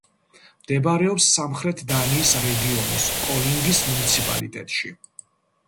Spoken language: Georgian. მდებარეობს სამხრეთ დანიის რეგიონის კოლინგის მუნიციპალიტეტში.